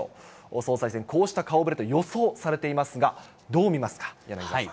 総裁選、こうした顔ぶれと予想されていますが、どう見ますか、柳沢さん。